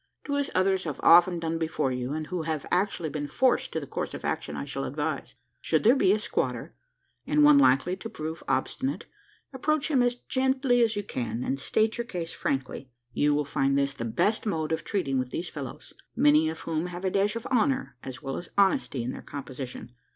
"Do as others have often done before you; and who have actually been forced to the course of action I shall advise. Should there be a squatter, and one likely to prove obstinate, approach him as gently as you can, and state your case frankly. You will find this the best mode of treating with these fellows many of whom have a dash of honour, as well as honesty in their composition.